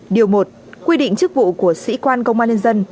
điều một quy định chức vụ của sĩ quan công an nhân dân